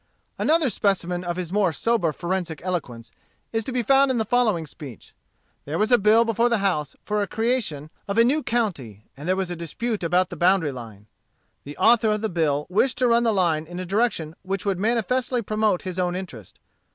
Another specimen of his more sober forensic eloquence is to be found in the following speech. There was a bill before the house for the creation of a new county, and there was a dispute about the boundary line. The author of the bill wished to run the line in a direction which would manifestly promote his own interest.